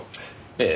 ええ。